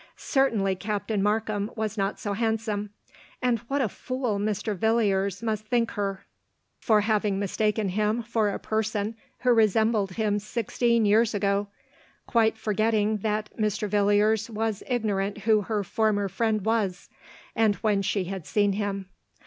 Certainly Cap tain Markham was not so handsome ;— and what a fool Mr. Villiers must think her, for having mistaken him for a person who resembled him sixteen years ago ; quite forgetting that Mr. Villiers was ignorant who her former friend was, and when she had seen him.